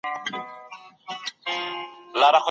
رابعې کله خپلې شونډې بوڅې کړې؟